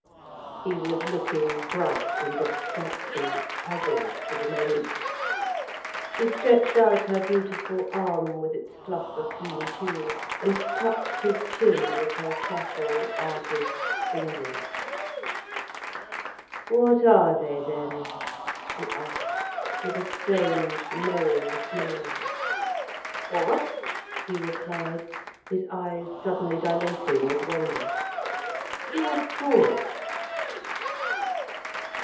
He was looking bright and abstracted, puzzled, for the moment. She stretched out her beautiful arm, with its fluff of green tulle, and touched his chin with her subtle, artist's fingers. "What are they then?" she asked, with a strange, knowing smile. "What?" he replied, his eyes suddenly dilating with wonder. "Your thoughts."